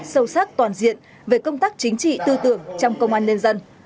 sâu sắc toàn diện về công tác chính trị tư tưởng trong công an nhân dân